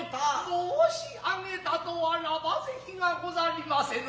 申上げたとあらば是非がござりませぬ。